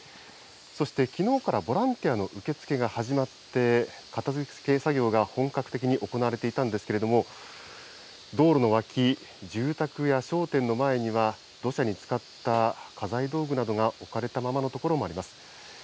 そしてきのうからボランティアの受け付けが始まって、片づけ作業が本格的に行われていたんですけれども、道路の脇、住宅や商店の前には、土砂につかった家財道具などが置かれたままの所があります。